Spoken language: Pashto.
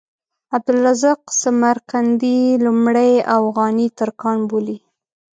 عبدالرزاق سمرقندي لومړی اوغاني ترکان بولي.